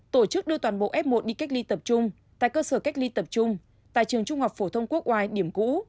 tổ chức đưa toàn bộ f một đi cách ly tập trung tại cơ sở cách ly tập trung tại trường trung học phổ thông quốc oai điểm cũ